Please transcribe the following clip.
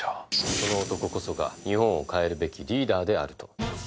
その男こそが日本を変えるべきリーダーであると。